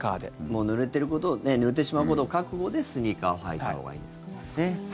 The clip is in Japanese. もう、ぬれてしまうことを覚悟でスニーカーを履いたほうがいいということですね。